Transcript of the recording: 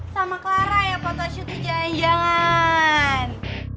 sama clara ya photoshootnya jangan jangan